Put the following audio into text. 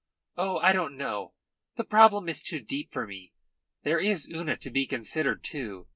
Oh, I don't know! The problem is too deep for me. There is Una to be considered, too.